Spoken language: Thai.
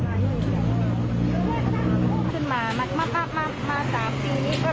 หลายปีกกว่าจะได้แต่ละบาท